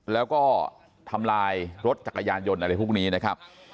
แล้วก็ทำลายรถจักรยานยนต์อะไรพวกนี้นะครับ